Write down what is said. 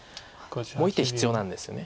もう１手必要なんです。